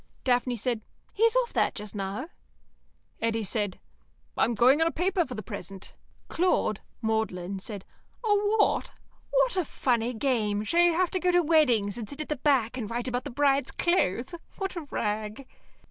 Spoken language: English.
Daphne said, "He's off that just now." Eddy said, "I'm going on a paper for the present." Claude (Magdalen) said, "A what? What a funny game! Shall you have to go to weddings and sit at the back and write about the bride's clothes? What a rag!"